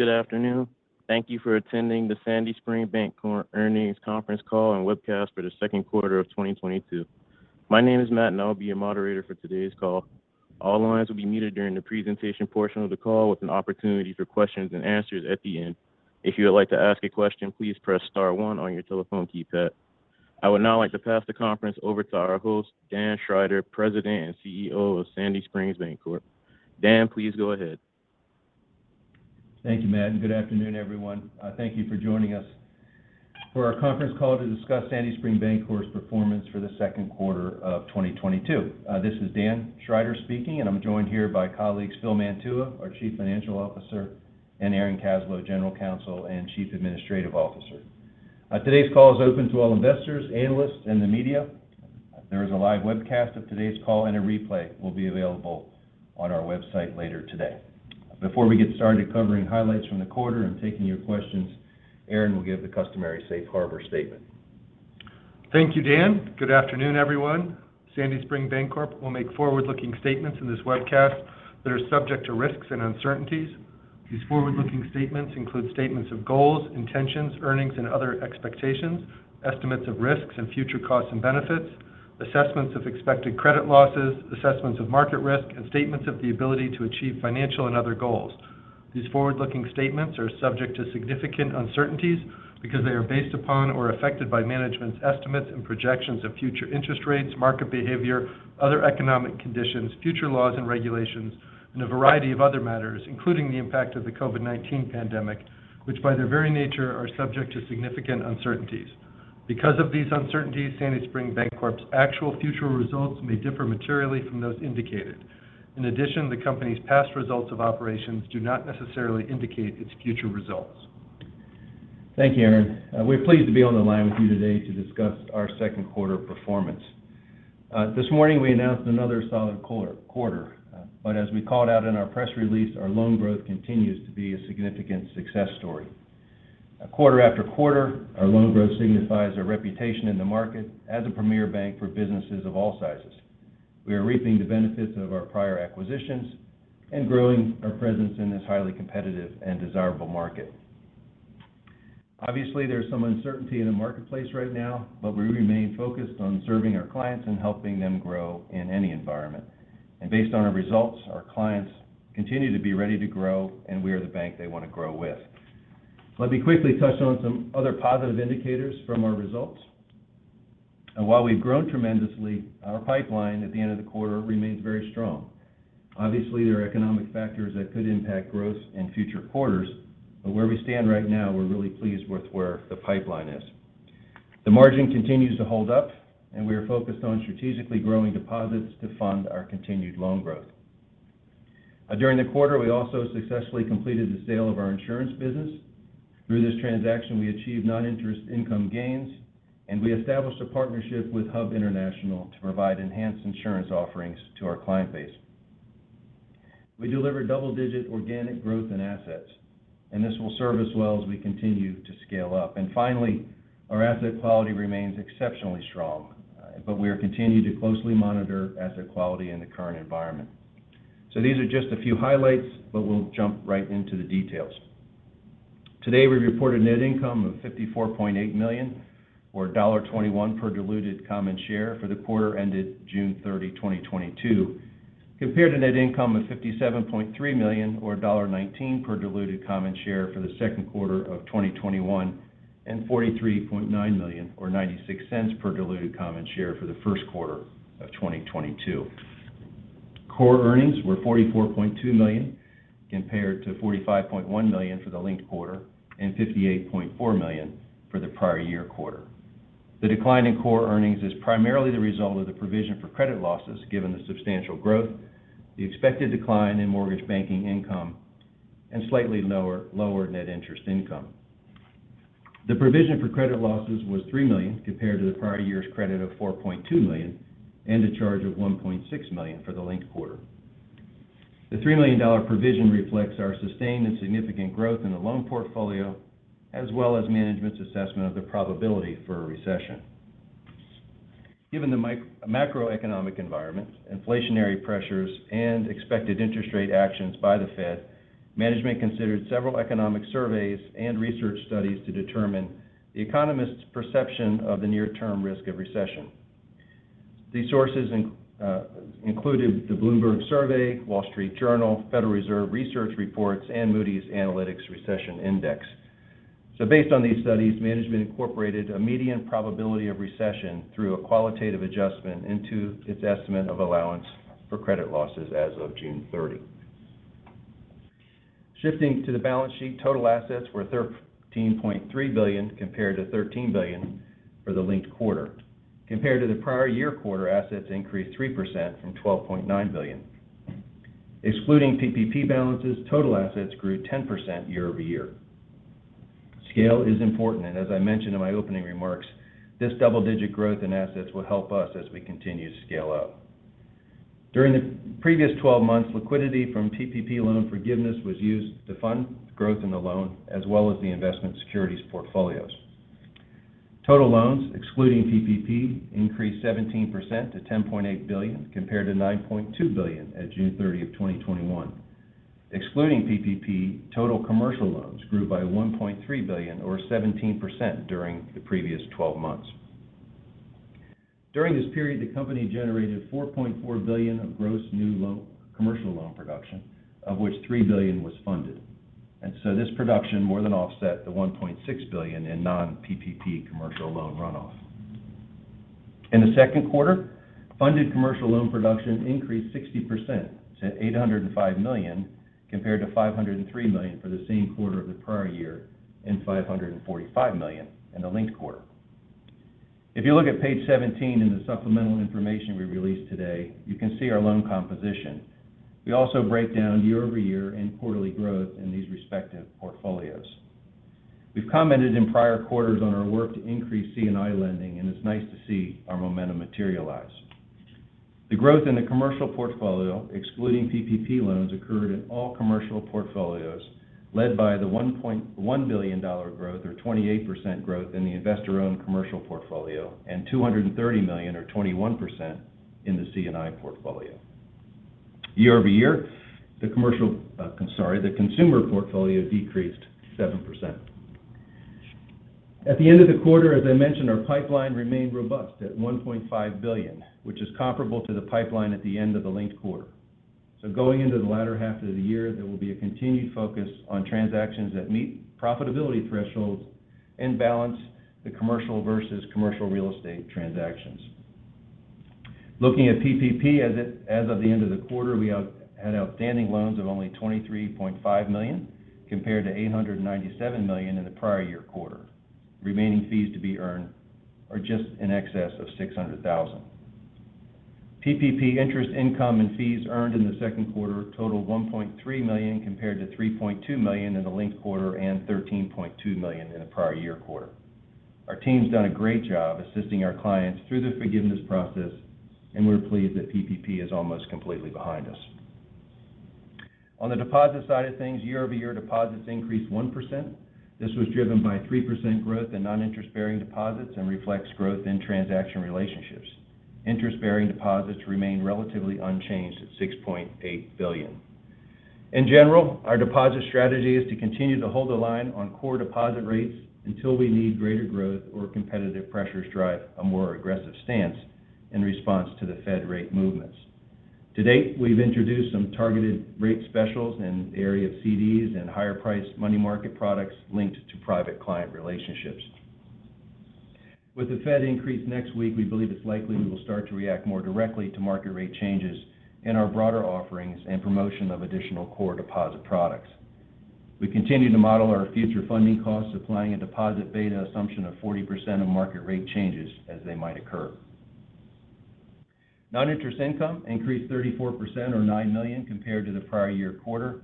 Good afternoon. Thank you for attending the Sandy Spring Bancorp earnings conference call and webcast for the second quarter of 2022. My name is Matt, and I'll be your moderator for today's call. All lines will be muted during the presentation portion of the call with an opportunity for questions and answers at the end. If you would like to ask a question, please press Star one on your telephone keypad. I would now like to pass the conference over to our host, Dan Schrider, President and CEO of Sandy Spring Bancorp. Dan, please go ahead. Thank you, Matt, and good afternoon, everyone. Thank you for joining us for our conference call to discuss Sandy Spring Bancorp's performance for the second quarter of 2022. This is Dan Schrider speaking, and I'm joined here by colleagues Phil Mantua, our Chief Financial Officer, and Aaron Kaslow, General Counsel and Chief Administrative Officer. Today's call is open to all investors, analysts, and the media. There is a live webcast of today's call, and a replay will be available on our website later today. Before we get started covering highlights from the quarter and taking your questions, Aaron will give the customary safe harbor statement. Thank you, Dan. Good afternoon, everyone. Sandy Spring Bancorp will make forward-looking statements in this webcast that are subject to risks and uncertainties. These forward-looking statements include statements of goals, intentions, earnings, and other expectations, estimates of risks and future costs and benefits, assessments of expected credit losses, assessments of market risk, and statements of the ability to achieve financial and other goals. These forward-looking statements are subject to significant uncertainties because they are based upon or affected by management's estimates and projections of future interest rates, market behavior, other economic conditions, future laws and regulations, and a variety of other matters, including the impact of the COVID-19 pandemic, which by their very nature are subject to significant uncertainties. Because of these uncertainties, Sandy Spring Bancorp's actual future results may differ materially from those indicated. In addition, the company's past results of operations do not necessarily indicate its future results. Thank you, Aaron. We're pleased to be on the line with you today to discuss our second quarter performance. This morning we announced another solid quarter. But as we called out in our press release, our loan growth continues to be a significant success story. Quarter after quarter, our loan growth signifies our reputation in the market as a premier bank for businesses of all sizes. We are reaping the benefits of our prior acquisitions and growing our presence in this highly competitive and desirable market. Obviously, there's some uncertainty in the marketplace right now, but we remain focused on serving our clients and helping them grow in any environment. Based on our results, our clients continue to be ready to grow, and we are the bank they want to grow with. Let me quickly touch on some other positive indicators from our results. While we've grown tremendously, our pipeline at the end of the quarter remains very strong. Obviously, there are economic factors that could impact growth in future quarters, but where we stand right now, we're really pleased with where the pipeline is. The margin continues to hold up, and we are focused on strategically growing deposits to fund our continued loan growth. During the quarter, we also successfully completed the sale of our insurance business. Through this transaction, we achieved non-interest income gains, and we established a partnership with Hub International to provide enhanced insurance offerings to our client base. We delivered double-digit organic growth in assets, and this will serve us well as we continue to scale up. Finally, our asset quality remains exceptionally strong, but we are continuing to closely monitor asset quality in the current environment. These are just a few highlights, but we'll jump right into the details. Today, we reported net income of $54.8 million or $2.1 per diluted common share for the quarter ended June 30, 2022, compared to net income of $57.3 million or $1.9 per diluted common share for the second quarter of 2021 and $43.9 million or $0.96 per diluted common share for the first quarter of 2022. Core earnings were $44.2 million compared to $45.1 million for the linked quarter and $58.4 million for the prior year quarter. The decline in core earnings is primarily the result of the provision for credit losses given the substantial growth, the expected decline in mortgage banking income, and slightly lower net interest income. The provision for credit losses was $3 million compared to the prior year's credit of $4.2 million and a charge of $1.6 million for the linked quarter. The $3 million provision reflects our sustained and significant growth in the loan portfolio as well as management's assessment of the probability for a recession. Given the macroeconomic environment, inflationary pressures, and expected interest rate actions by the Fed, management considered several economic surveys and research studies to determine the economists' perception of the near-term risk of recession. These sources included the Bloomberg Survey, Wall Street Journal, Federal Reserve research reports, and Moody's Analytics Recession Index. Based on these studies, management incorporated a median probability of recession through a qualitative adjustment into its estimate of allowance for credit losses as of June 30. Shifting to the balance sheet, total assets were $13.3 billion compared to $13 billion for the linked quarter. Compared to the prior year quarter, assets increased 3% from $12.9 billion. Excluding PPP balances, total assets grew 10% year over year. Scale is important, and as I mentioned in my opening remarks, this double-digit growth in assets will help us as we continue to scale up. During the previous 12 months, liquidity from PPP loan forgiveness was used to fund growth in the loan as well as the investment securities portfolios. Total loans, excluding PPP, increased 17% to $10.8 billion compared to $9.2 billion at June 30, 2021. Excluding PPP, total commercial loans grew by $1.3 billion or 17% during the previous 12 months. During this period, the company generated $4.4 billion of gross new loan commercial loan production, of which $3 billion was funded. This production more than offset the $1.6 billion in non-PPP commercial loan runoff. In the second quarter, funded commercial loan production increased 60% to $805 million compared to $503 million for the same quarter of the prior year and $545 million in the linked quarter. If you look at page 17 in the supplemental information we released today, you can see our loan composition. We also break down year-over-year and quarterly growth in these respective portfolios. We've commented in prior quarters on our work to increase C&I lending, and it's nice to see our momentum materialize. The growth in the commercial portfolio, excluding PPP loans, occurred in all commercial portfolios, led by the $1.1 billion growth or 28% growth in the investor-owned commercial portfolio and $230 million or 21% in the C&I portfolio. Year-over-year, the consumer portfolio decreased 7%. At the end of the quarter, as I mentioned, our pipeline remained robust at $1.5 billion, which is comparable to the pipeline at the end of the linked quarter. Going into the latter half of the year, there will be a continued focus on transactions that meet profitability thresholds and balance the commercial versus commercial real estate transactions. Looking at PPP, as of the end of the quarter, we had outstanding loans of only $23.5 million compared to $897 million in the prior year quarter. Remaining fees to be earned are just in excess of $600,000. PPP interest income and fees earned in the second quarter totaled $1.3 million compared to $3.2 million in the linked quarter and $13.2 million in the prior year quarter. Our team's done a great job assisting our clients through the forgiveness process, and we're pleased that PPP is almost completely behind us. On the deposit side of things, year-over-year deposits increased 1%. This was driven by 3% growth in non-interest bearing deposits and reflects growth in transaction relationships. Interest bearing deposits remained relatively unchanged at $6.8 billion. In general, our deposit strategy is to continue to hold the line on core deposit rates until we need greater growth or competitive pressures drive a more aggressive stance in response to the Fed rate movements. To date, we've introduced some targeted rate specials in the area of CDs and higher priced money market products linked to private client relationships. With the Fed increase next week, we believe it's likely we will start to react more directly to market rate changes in our broader offerings and promotion of additional core deposit products. We continue to model our future funding costs applying a deposit beta assumption of 40% of market rate changes as they might occur. Non-interest income increased 34% or $9 million compared to the prior year quarter,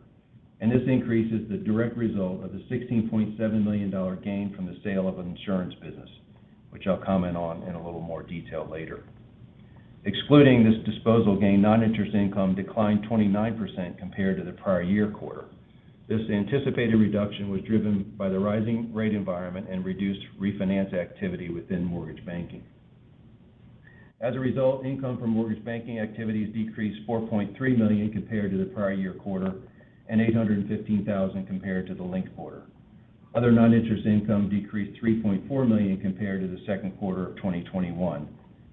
and this increase is the direct result of the $16.7 million gain from the sale of an insurance business, which I'll comment on in a little more detail later. Excluding this disposal gain, non-interest income declined 29% compared to the prior year quarter. This anticipated reduction was driven by the rising rate environment and reduced refinance activity within mortgage banking. As a result, income from mortgage banking activities decreased $4.3 million compared to the prior year quarter and $815,000 compared to the linked quarter. Other non-interest income decreased $3.4 million compared to the second quarter of 2021,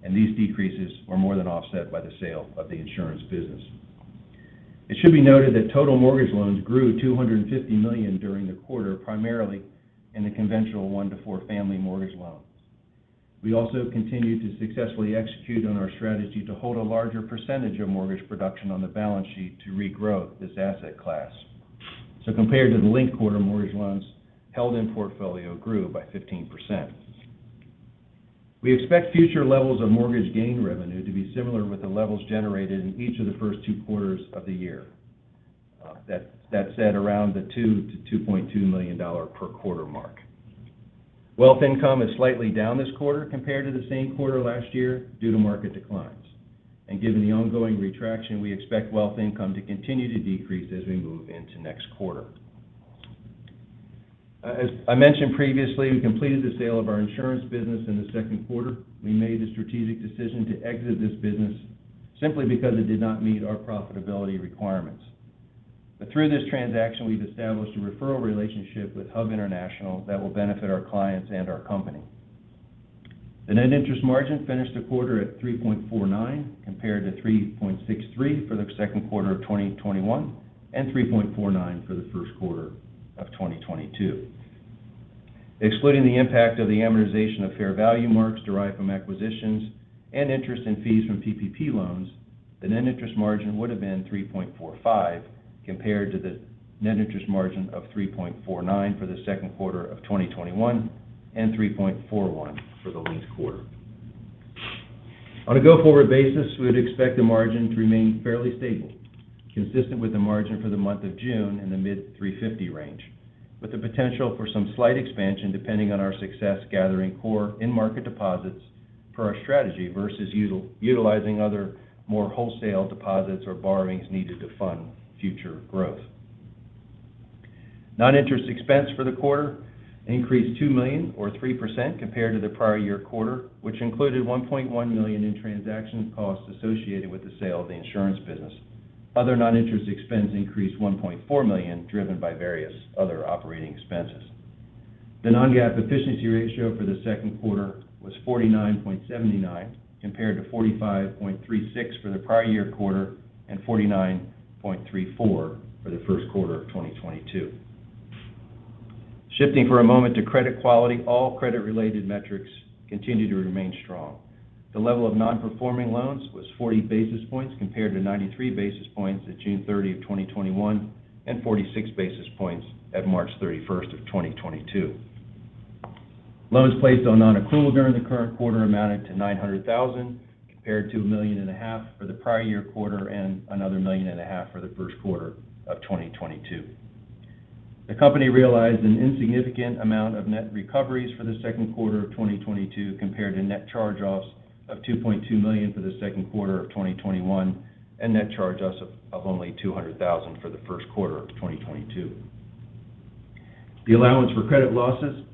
and these decreases were more than offset by the sale of the insurance business. It should be noted that total mortgage loans grew $250 million during the quarter, primarily in the conventional one-to-four-family mortgage loans. We also continued to successfully execute on our strategy to hold a larger percentage of mortgage production on the balance sheet to regrow this asset class. Compared to the linked quarter, mortgage loans held in portfolio grew by 15%. We expect future levels of mortgage gain revenue to be similar with the levels generated in each of the first two quarters of the year. That said, around the $2 to $2.2 million per quarter mark. Wealth income is slightly down this quarter compared to the same quarter last year due to market declines. Given the ongoing contraction, we expect wealth income to continue to decrease as we move into next quarter. As I mentioned previously, we completed the sale of our insurance business in the second quarter. We made a strategic decision to exit this business simply because it did not meet our profitability requirements. Through this transaction, we've established a referral relationship with Hub International that will benefit our clients and our company. The net interest margin finished the quarter at 3.49% compared to 3.63% for the second quarter of 2021 and 3.49% for the first quarter of 2022. Excluding the impact of the amortization of fair value marks derived from acquisitions and interest in fees from PPP loans, the net interest margin would have been 3.45% compared to the net interest margin of 3.49% for the second quarter of 2021 and 3.41% for the linked quarter. On a go-forward basis, we would expect the margin to remain fairly stable, consistent with the margin for the month of June in the mid-3.50 range, with the potential for some slight expansion depending on our success gathering core in-market deposits for our strategy versus utilizing other more wholesale deposits or borrowings needed to fund future growth. Noninterest expense for the quarter increased $2 million or 3% compared to the prior year quarter, which included $1.1 million in transaction costs associated with the sale of the insurance business. Other non-interest expense increased $1.4 million, driven by various other operating expenses. The non-GAAP efficiency ratio for the second quarter was 49.79%, compared to 45.36% for the prior year quarter and 49.34% for the first quarter of 2022. Shifting for a moment to credit quality, all credit-related metrics continue to remain strong. The level of nonperforming loans was 40 basis points compared to 93 basis points at June 30, 2021 and 46 basis points at March 31, 2022. Loans placed on nonaccrual during the current quarter amounted to $900,000, compared to $1.5 million for the prior year quarter and another $1.5 million for the first quarter of 2022. The company realized an insignificant amount of net recoveries for the second quarter of 2022 compared to net charge-offs of $2.2 million for the second quarter of 2021 and net charge-offs of only $200,000 for the first quarter of 2022. The allowance for credit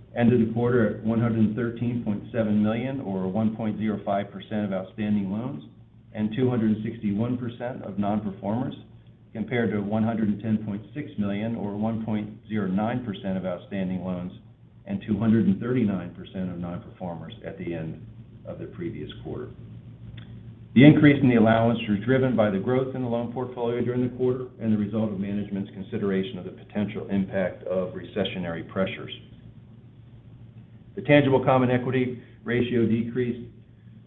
losses ended the quarter at $113.7 million or 1.05% of outstanding loans and 261% of nonperformers, compared to $110.6 million or 1.09% of outstanding loans and 239% of nonperformers at the end of the previous quarter. The increase in the allowance was driven by the growth in the loan portfolio during the quarter and the result of management's consideration of the potential impact of recessionary pressures. The tangible common equity ratio decreased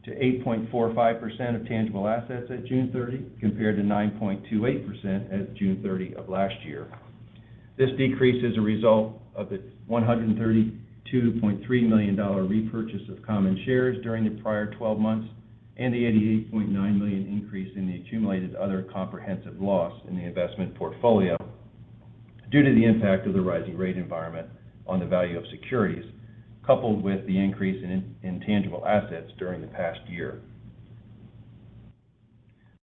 to 8.45% of tangible assets at June 30 compared to 9.28% at June 30 of last year. This decrease is a result of the $132.3 million repurchase of common shares during the prior 12 months and the $88.9 million increase in the accumulated other comprehensive loss in the investment portfolio due to the impact of the rising rate environment on the value of securities, coupled with the increase in tangible assets during the past year.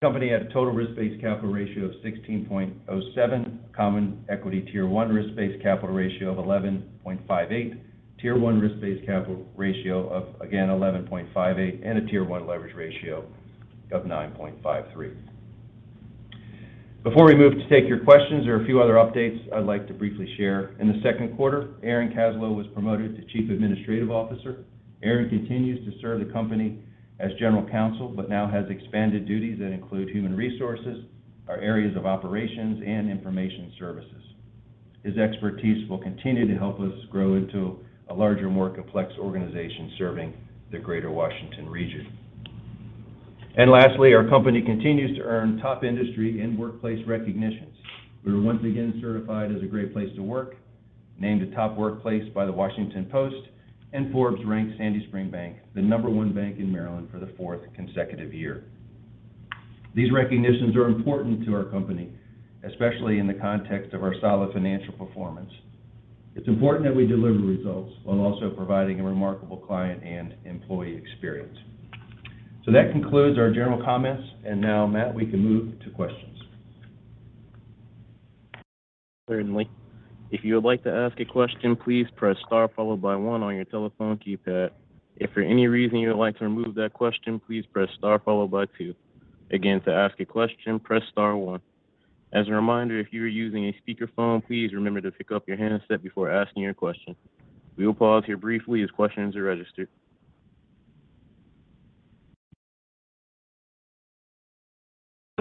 The company had a total risk-based capital ratio of 16.07%, Common Equity Tier 1 risk-based capital ratio of 11.58%, Tier 1 risk-based capital ratio of, again, 11.58%, and a Tier 1 leverage ratio of 9.53%. Before we move to take your questions, there are a few other updates I'd like to briefly share. In the second quarter, Aaron Kaslow was promoted to Chief Administrative Officer. Aaron continues to serve the company as General Counsel, but now has expanded duties that include human resources, our areas of operations, and information services. His expertise will continue to help us grow into a larger, more complex organization serving the Greater Washington region. Lastly, our company continues to earn top industry and workplace recognitions. We were once again certified as a great place to work, named a top workplace by The Washington Post, and Forbes ranked Sandy Spring Bank the number one bank in Maryland for the fourth consecutive year. These recognitions are important to our company, especially in the context of our solid financial performance. It's important that we deliver results while also providing a remarkable client and employee experience. That concludes our general comments. Now, Matt, we can move to questions. Certainly. If you would like to ask a question, please press star followed by one on your telephone keypad. If for any reason you would like to remove that question, please press Star followed by two. Again, to ask a question, press Star one. As a reminder, if you are using a speakerphone, please remember to pick up your handset before asking your question. We will pause here briefly as questions are registered.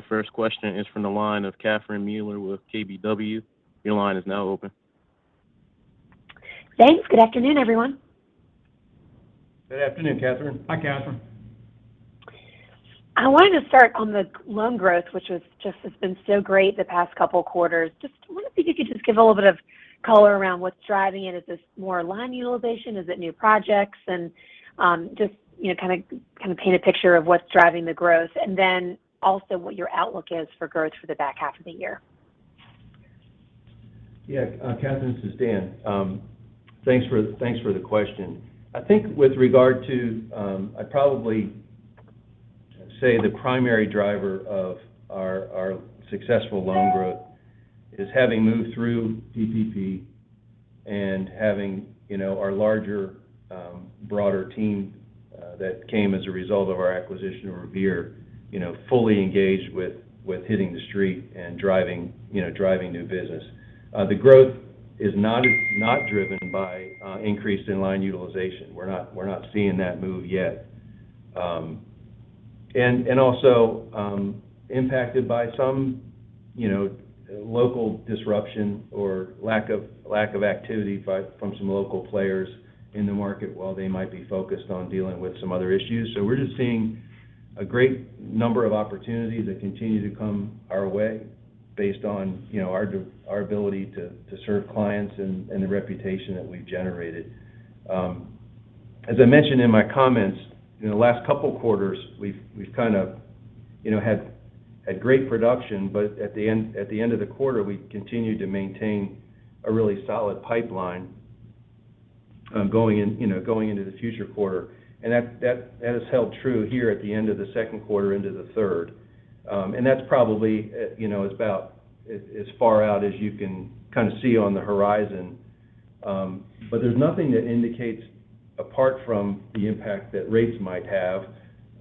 The first question is from the line of Catherine Mealor with KBW. Your line is now open. Thanks. Good afternoon, everyone. Good afternoon, Catherine. Hi, Catherine. I wanted to start on the loan growth, which has been so great the past couple quarters. Just wondering if you could just give a little bit of color around what's driving it. Is this more line utilization? Is it new projects? Just, you know, kind of paint a picture of what's driving the growth and then also what your outlook is for growth for the back half of the year. Yeah. Catherine, this is Dan. Thanks for the question. I think with regard to, I'd probably say the primary driver of our successful loan growth is having moved through PPP and having, you know, our larger, broader team that came as a result of our acquisition of Revere, you know, fully engaged with hitting the street and driving new business. The growth is not driven by increase in line utilization. We're not seeing that move yet. Also impacted by some, you know, local disruption or lack of activity from some local players in the market while they might be focused on dealing with some other issues. We're just seeing a great number of opportunities that continue to come our way based on, you know, our ability to serve clients and the reputation that we've generated. As I mentioned in my comments, in the last couple quarters, we've kind of, you know, had great production, but at the end of the quarter, we continued to maintain a really solid pipeline. Going in, you know, going into the future quarter. That has held true here at the end of the second quarter into the third. That's probably, you know, as far out as you can kind of see on the horizon. There's nothing that indicates apart from the impact that rates might have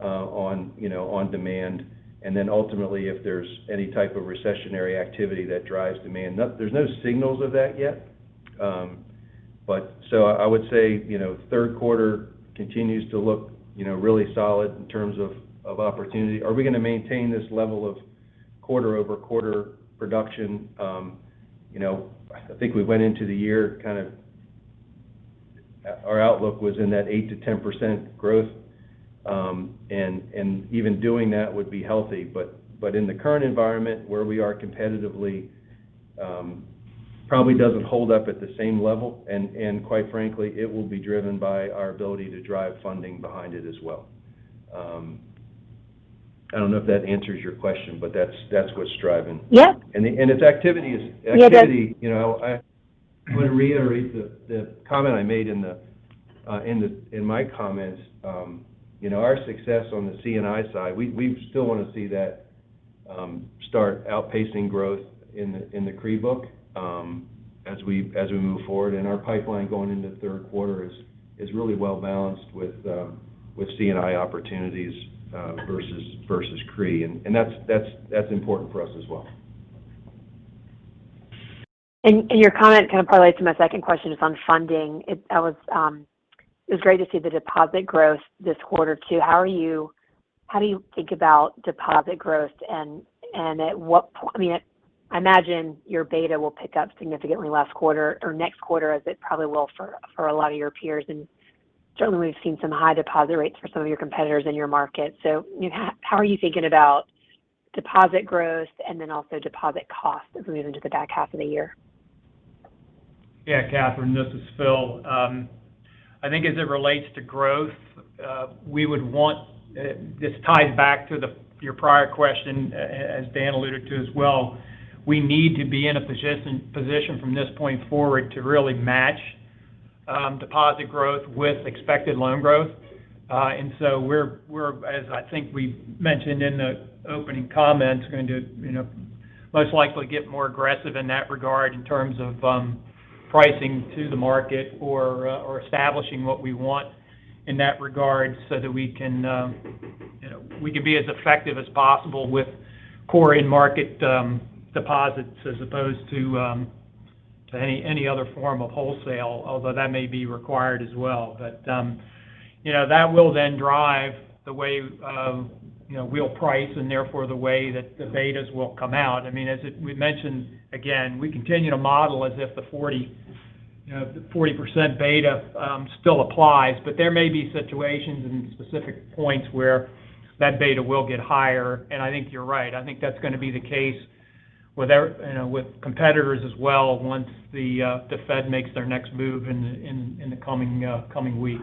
on, you know, on demand, and then ultimately if there's any type of recessionary activity that drives demand. There's no signals of that yet. I would say, you know, third quarter continues to look, you know, really solid in terms of opportunity. Are we gonna maintain this level of quarter-over-quarter production? You know, I think we went into the year kind of. Our outlook was in that 8% to 10% growth, and even doing that would be healthy. In the current environment where we are competitively, probably doesn't hold up at the same level. Quite frankly, it will be driven by our ability to drive funding behind it as well. I don't know if that answers your question, but that's what's driving. Yeah. Its activity is. Yeah. Activity, you know. I want to reiterate the comment I made in my comments. You know, our success on the C&I side, we still want to see that start outpacing growth in the CRE book, as we move forward. Our pipeline going into third quarter is really well balanced with C&I opportunities versus CRE. That's important for us as well. Your comment kind of plays to my second question is on funding. It was great to see the deposit growth this quarter too. How do you think about deposit growth and I mean, I imagine your beta will pick up significantly last quarter or next quarter as it probably will for a lot of your peers. Certainly we've seen some high deposit rates for some of your competitors in your market. How are you thinking about deposit growth and then also deposit costs as we move into the back half of the year? Yeah. Catherine, this is Phil. I think as it relates to growth, we would want. This ties back to your prior question as Dan alluded to as well. We need to be in a position from this point forward to really match deposit growth with expected loan growth. We're, as I think we mentioned in the opening comments, going to, you know, most likely get more aggressive in that regard in terms of pricing to the market or establishing what we want in that regard so that we can, you know, be as effective as possible with core in-market deposits as opposed to any other form of wholesale, although that may be required as well. You know, that will then drive the way of, you know, we'll price and therefore the way that the betas will come out. I mean, we mentioned again, we continue to model as if the 40% beta still applies, but there may be situations and specific points where that beta will get higher. I think you're right. I think that's going to be the case with our, you know, with competitors as well once the Fed makes their next move in the coming week.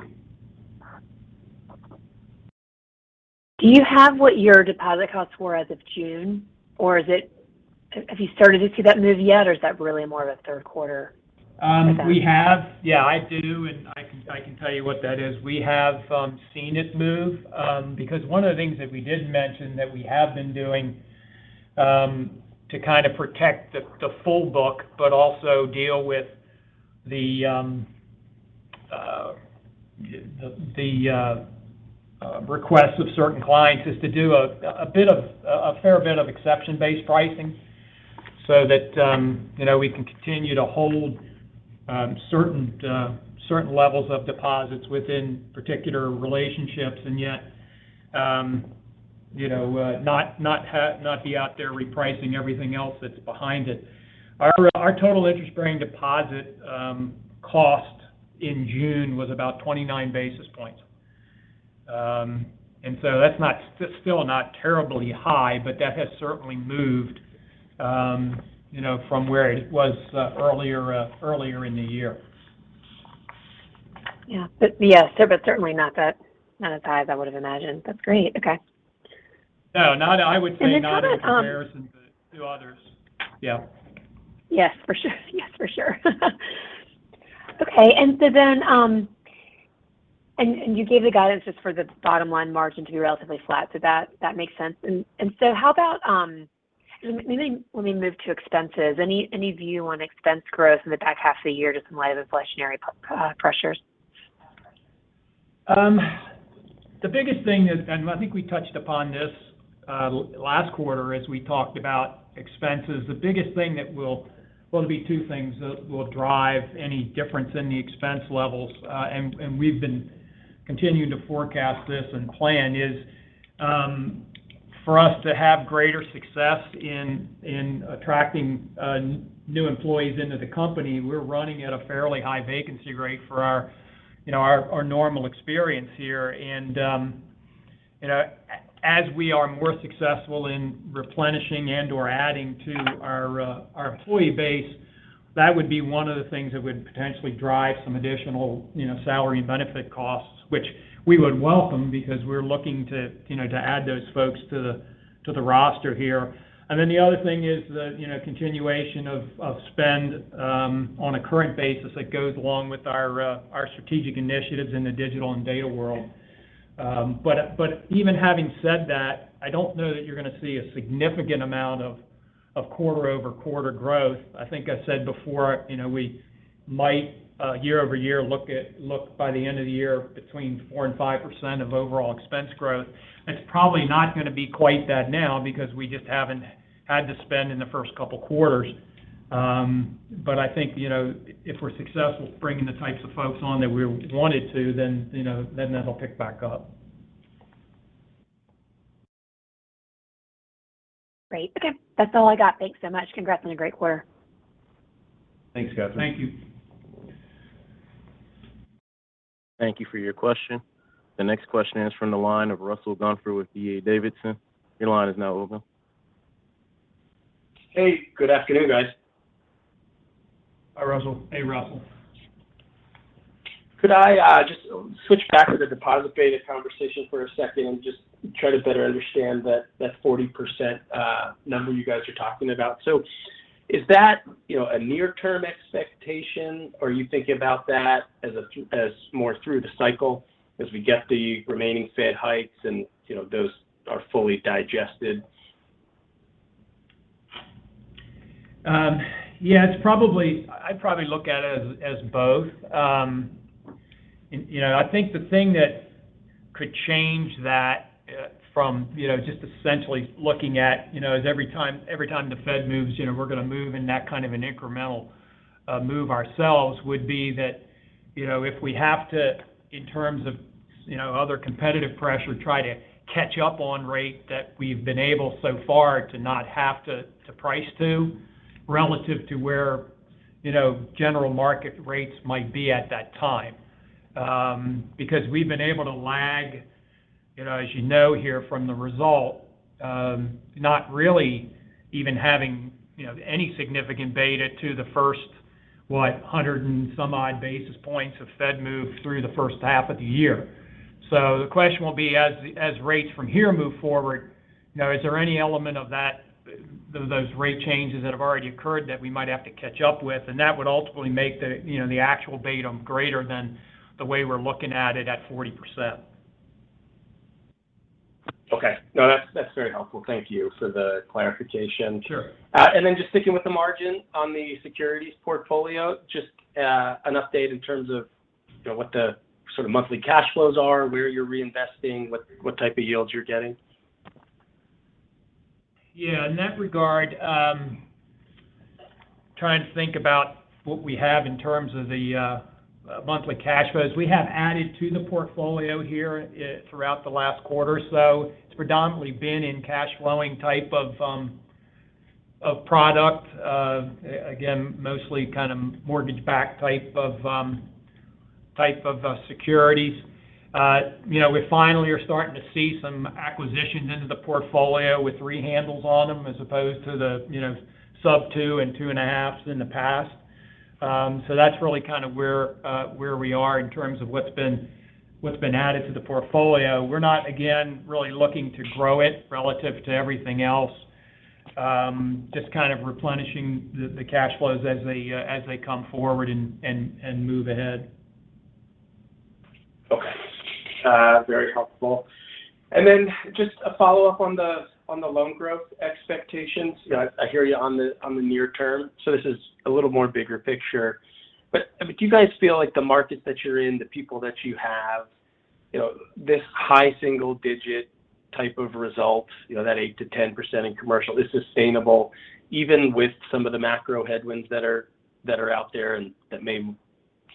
Do you have what your deposit costs were as of June? Have you started to see that move yet, or is that really more of a third quarter event? We have. Yeah, I do. I can tell you what that is. We have seen it move because one of the things that we didn't mention that we have been doing to kind of protect the full book, but also deal with the request of certain clients is to do a fair bit of exception-based pricing so that you know, we can continue to hold certain levels of deposits within particular relationships and yet you know, not be out there repricing everything else that's behind it. Our total interest-bearing deposit cost in June was about 29 basis points. Still not terribly high, but that has certainly moved, you know, from where it was earlier in the year. Yeah. Yes, but certainly not that, not as high as I would have imagined. That's great. Okay. No, I would say not as a comparison. And then kind of, um- to others. Yeah. Yes, for sure. Okay. You gave the guidance just for the bottom line margin to be relatively flat. That makes sense. How about, let me move to expenses. Any view on expense growth in the back half of the year just in light of inflationary pressures? The biggest thing is, and I think we touched upon this last quarter as we talked about expenses. The biggest thing that will, well, it'll be two things that will drive any difference in the expense levels, and we've been continuing to forecast this and plan is for us to have greater success in attracting new employees into the company. We're running at a fairly high vacancy rate for our, you know, our normal experience here. You know, as we are more successful in replenishing and/or adding to our employee base, that would be one of the things that would potentially drive some additional, you know, salary and benefit costs, which we would welcome because we're looking to, you know, to add those folks to the roster here. The other thing is the, you know, continuation of spend on a current basis that goes along with our strategic initiatives in the digital and data world. Even having said that, I don't know that you're going to see a significant amount of quarter-over-quarter growth. I think I said before, we might year-over-year look by the end of the year between 4% to 5% of overall expense growth. It's probably not going to be quite that now because we just haven't had to spend in the first couple of quarters. I think if we're successful bringing the types of folks on that we wanted to, then that'll pick back up. Great. Okay. That's all I got. Thanks so much. Congrats on a great quarter. Thanks, Catherine. Thank you. Thank you for your question. The next question is from the line of Russell Gunther with D.A. Davidson. Your line is now open. Hey, good afternoon, guys. Hi, Russell. Hey, Russell. Could I just switch back to the deposit beta conversation for a second and just try to better understand that 40% number you guys are talking about? Is that a near-term expectation? Are you thinking about that as more through the cycle as we get the remaining Fed hikes and those are fully digested? Yeah, I'd probably look at it as both. I think the thing that could change that from just essentially looking at is every time the Fed moves, we're going to move in that kind of an incremental move ourselves would be that if we have to, in terms of other competitive pressure, try to catch up on rate that we've been able so far to not have to price to relative to where general market rates might be at that time because we've been able to lag, as you know here from the result, not really even having any significant beta to the first, what, 100 and some odd basis points of Fed move through the first half of the year. The question will be as rates from here move forward, is there any element of those rate changes that have already occurred that we might have to catch up with? That would ultimately make the actual beta greater than the way we're looking at it at 40%. Okay. No, that's very helpful. Thank you for the clarification. Sure. Just sticking with the margin on the securities portfolio, just an update in terms of what the sort of monthly cash flows are, where you're reinvesting, what type of yields you're getting. Yeah, in that regard, trying to think about what we have in terms of the monthly cash flows. We have added to the portfolio here throughout the last quarter or so. It's predominantly been in cash flowing type of product. Again, mostly kind of mortgage-backed type of securities. We finally are starting to see some acquisitions into the portfolio with three handles on them as opposed to the sub 2 and 2.5 in the past. That's really kind of where we are in terms of what's been added to the portfolio. We're not, again, really looking to grow it relative to everything else. Just kind of replenishing the cash flows as they come forward and move ahead. Okay. Very helpful. Then just a follow-up on the loan growth expectations. I hear you on the near term. This is a little more bigger picture. Do you guys feel like the market that you're in, the people that you have, this high single digit type of results, that 8% to 10% in commercial is sustainable even with some of the macro headwinds that are out there and that may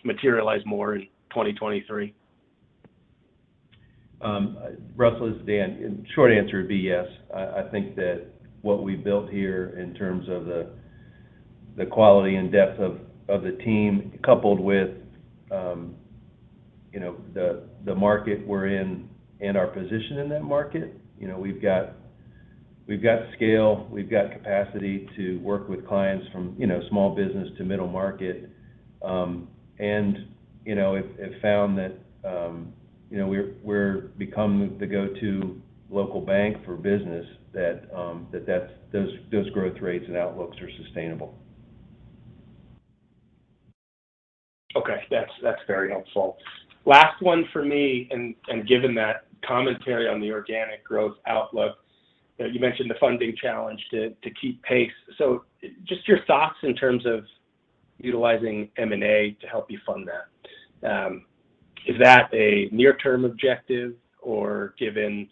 materialize more in 2023? Russell, it's Dan. Short answer would be yes. I think that what we built here in terms of the quality and depth of the team coupled with the market we're in and our position in that market. We've got scale, we've got capacity to work with clients from small business to middle market. Have found that we're become the go-to local bank for business that those growth rates and outlooks are sustainable. Okay. That's very helpful. Last one for me, and given that commentary on the organic growth outlook, you mentioned the funding challenge to keep pace. Just your thoughts in terms of utilizing M&A to help you fund that. Is that a near-term objective or given,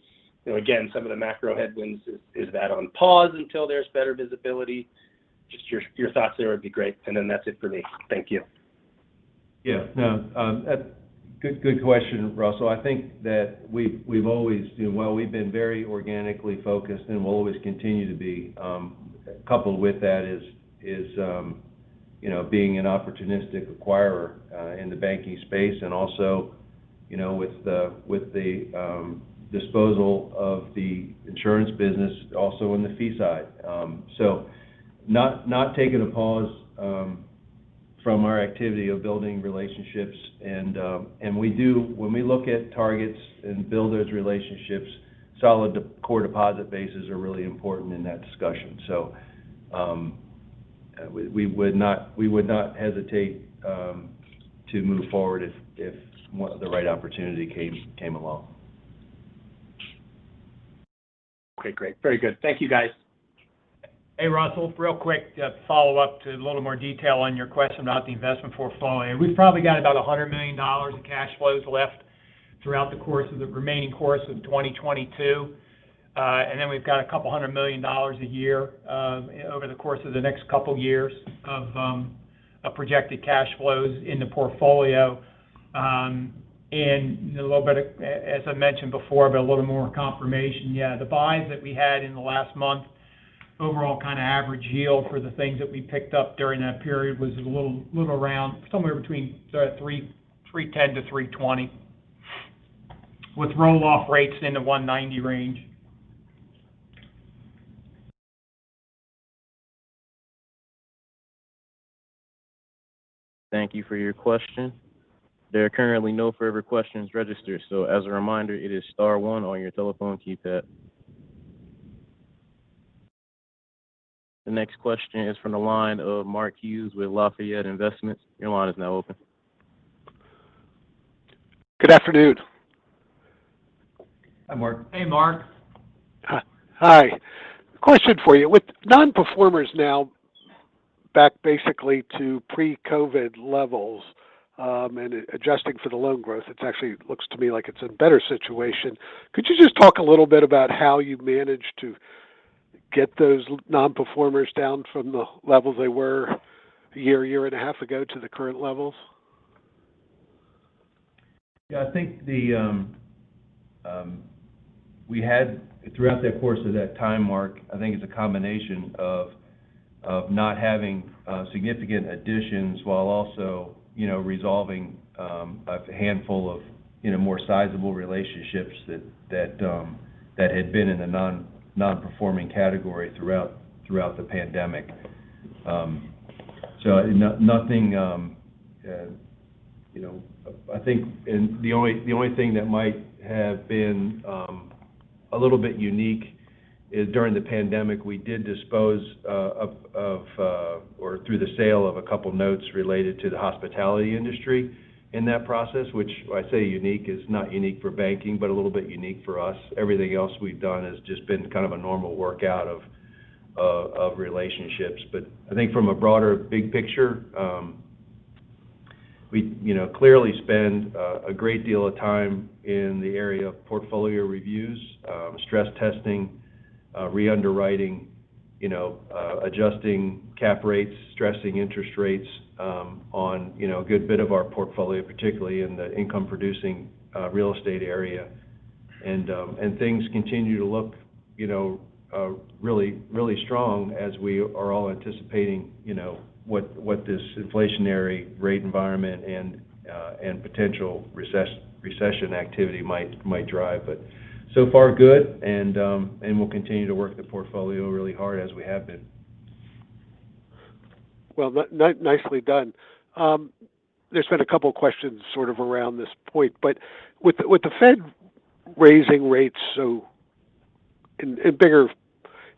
again, some of the macro headwinds, is that on pause until there's better visibility? Just your thoughts there would be great. Then that's it for me. Thank you. Yeah. Good question, Russell. I think that we've always, well, we've been very organically focused and we'll always continue to be. Coupled with that is being an opportunistic acquirer in the banking space and also with the disposal of the insurance business also in the fee side. Not taking a pause from our activity of building relationships. When we look at targets and build those relationships, solid core deposit bases are really important in that discussion. We would not hesitate to move forward if the right opportunity came along. Okay, great. Very good. Thank you, guys. Hey, Russell, real quick follow up to a little more detail on your question about the investment portfolio. We've probably got about $100 million in cash flows left throughout the course of the remaining 2022. We've got a couple hundred million dollars a year over the course of the next couple years of a projected cash flows in the portfolio. A little bit, as I mentioned before, but a little more confirmation. Yeah. The buys that we had in the last month, overall kind of average yield for the things that we picked up during that period was a little around somewhere between 3.10% to 3.20% with roll-off rates in the 1.90% range. Thank you for your question. There are currently no further questions registered, so as a reminder, it is Star one on your telephone keypad. The next question is from the line of Mark Hughes with Truist Securities. Your line is now open. Good afternoon. Hi, Mark. Hey, Mark. Hi. Question for you. With nonperformers now back basically to pre-COVID levels, and adjusting for the loan growth, it actually looks to me like it's a better situation. Could you just talk a little bit about how you've managed to get those nonperformers down from the levels they were a year and a half ago to the current levels? Yeah, I think we had throughout that course of that time, Mark, I think it's a combination of not having significant additions while also resolving a handful of more sizable relationships that had been in a nonperforming category throughout the pandemic. Nothing, you know. I think the only thing that might have been a little bit unique is during the pandemic, we did dispose of or through the sale of a couple notes related to the hospitality industry in that process, which I say unique is not unique for banking, but a little bit unique for us. Everything else we've done has just been kind of a normal workout of relationships. I think from a broader big picture, we clearly spend a great deal of time in the area of portfolio reviews, stress testing, re-underwriting, you know, adjusting cap rates, stressing interest rates, on a good bit of our portfolio, particularly in the income-producing real estate area. Things continue to look really strong as we are all anticipating what this inflationary rate environment and potential recession activity might drive. So far good, and we'll continue to work the portfolio really hard as we have been. Well, nicely done. There's been a couple of questions sort of around this point, but with the Fed raising rates so in bigger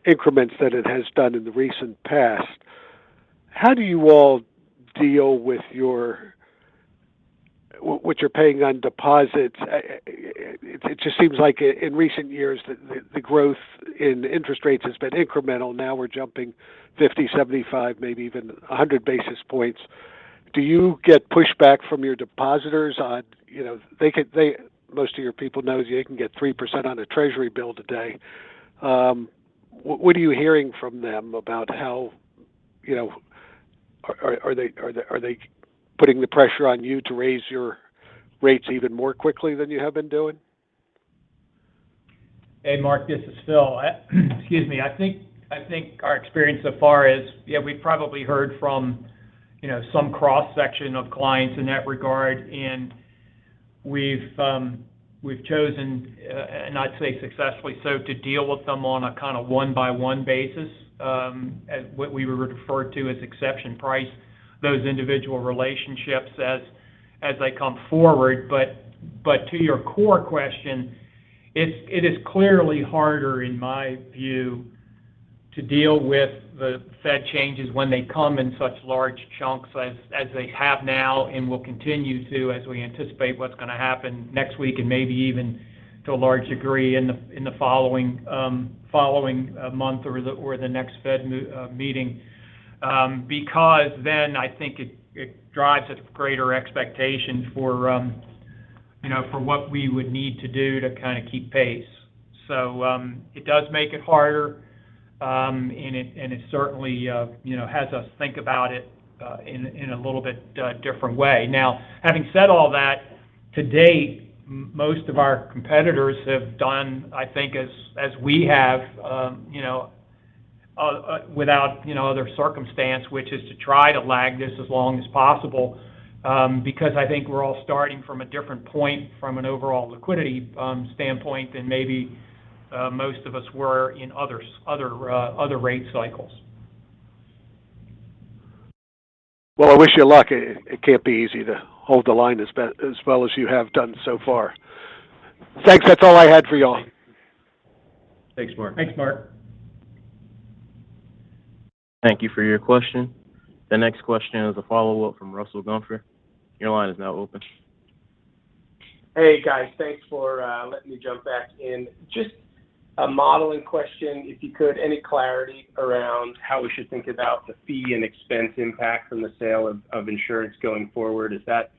increments than it has done in the recent past, how do you all deal with your what you're paying on deposits? It just seems like in recent years, the growth in interest rates has been incremental. Now we're jumping 50, 75, maybe even 100 basis points. Do you get pushback from your depositors on most of your people knows you can get 3% on a Treasury bill today. What are you hearing from them about how are they putting the pressure on you to raise your rates even more quickly than you have been doing? Hey, Mark, this is Phil. Excuse me. I think our experience so far is, yeah, we probably heard from some cross-section of clients in that regard, and we've chosen, and I'd say successfully so, to deal with them on a kind of one-by-one basis, what we would refer to as exception price those individual relationships as they come forward. To your core question, it is clearly harder, in my view, to deal with the Fed changes when they come in such large chunks as they have now and will continue to as we anticipate what's going to happen next week and maybe even to a large degree in the following month or the next Fed meeting, because then I think it drives a greater expectation for, you know, for what we would need to do to kind of keep pace. It does make it harder, and it certainly, you know, has us think about it in a little bit different way. Now, having said all that, to date, most of our competitors have done, I think, as we have, you know, without other circumstance, which is to try to lag this as long as possible, because I think we're all starting from a different point from an overall liquidity standpoint than maybe most of us were in other rate cycles. Well, I wish you luck. It can't be easy to hold the line as well as you have done so far. Thanks. That's all I had for y'all. Thanks, Mark. Thanks, Mark. Thank you for your question. The next question is a follow-up from Russell Gunther. Your line is now open. Hey, guys. Thanks for letting me jump back in. Just a modeling question, if you could, any clarity around how we should think about the fee and expense impact from the sale of insurance going forward? Is that,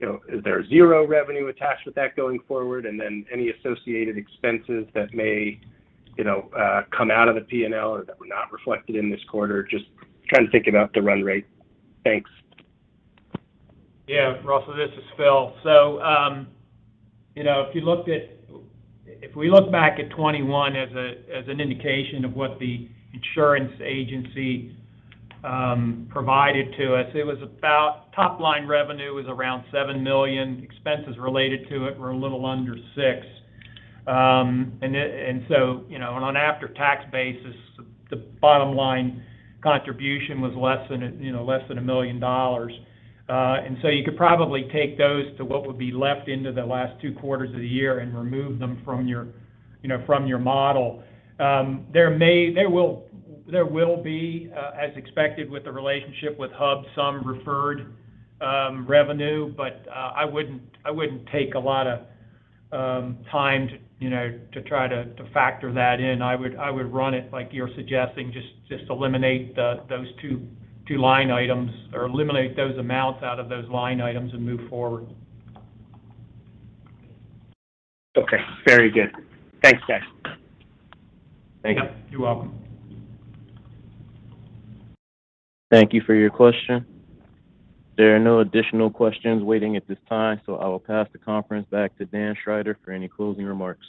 you know, is there zero revenue attached with that going forward? And then any associated expenses that may, you know, come out of the P&L or that were not reflected in this quarter? Just trying to think about the run rate. Thanks. Yeah, Russell, this is Phil. You know, if we look back at 2021 as an indication of what the insurance agency provided to us, it was about, top line revenue was around $7 million. Expenses related to it were a little under $6 million. You know, on an after-tax basis, the bottom line contribution was less than, you know, less than $1 million. You could probably take those two what would be left into the last two quarters of the year and remove them from your, you know, from your model. There will be, as expected with the relationship with Hub International, some referred revenue. I wouldn't take a lot of time to, you know, try to factor that in. I would run it like you're suggesting, just eliminate those two line items or eliminate those amounts out of those line items and move forward. Okay. Very good. Thanks, guys. Thank you. Yep, you're welcome. Thank you for your question. There are no additional questions waiting at this time, so I will pass the conference back to Dan Schrider for any closing remarks.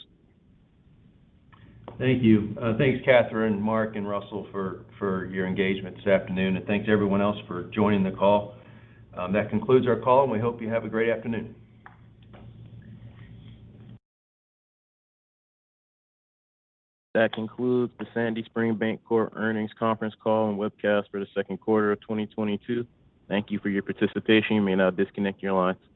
Thank you. Thanks, Catherine, Mark, and Russell for your engagement this afternoon. Thanks to everyone else for joining the call. That concludes our call, and we hope you have a great afternoon. That concludes the Sandy Spring Bancorp Earnings Conference Call and Webcast for the second quarter of 2022. Thank you for your participation. You may now disconnect your lines.